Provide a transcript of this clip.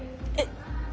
えっ。